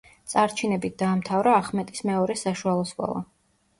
წარჩინებით დაამთავრა ახმეტის მეორე საშუალო სკოლა.